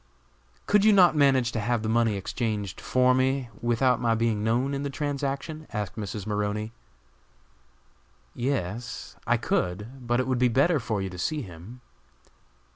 "Could you not manage to have the money exchanged for me without my being known in the transaction?" asked Mrs. Maroney. "Yes, I could, but it would be better for you to see him."